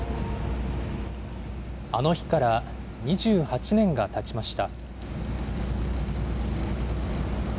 あの日から２８年がたちました。